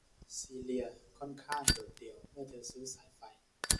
ซีเลียค่อนข้างโดดเดี่ยวเมื่อเธอซื้อสายไฟ